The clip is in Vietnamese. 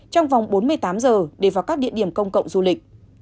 trong vòng bốn mươi tám giờ để vào các địa điểm công cộng du lịch